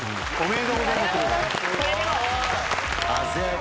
おめでとうございます。